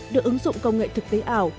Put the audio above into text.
được ứng dụng công nghệ thực tế ảo